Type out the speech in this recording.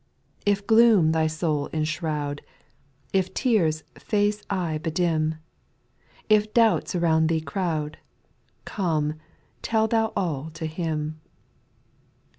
If gloom thy soul enshroud, If tears faith's eye bedim. If doubts around thee crowd. Come tell thou all to Him.